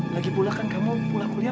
lagi pula kan kamu pulang kuliah